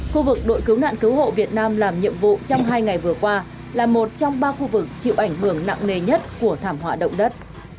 khu vực đội cứu nạn cứu hộ việt nam làm nhiệm vụ trong hai ngày vừa qua là một trong ba khu vực chịu ảnh hưởng nặng nề nhất của thảm họa động đất